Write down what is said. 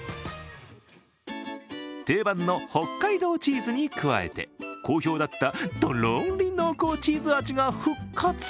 定番の北海道チーズに加えて、好評だったとろり濃厚チーズ味が復活。